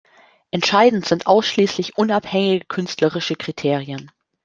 Entscheidend sind ausschließlich unabhängige künstlerische Kriterien.